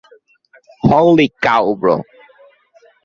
যোনির প্রবেশ পথ হল যোনির নালী।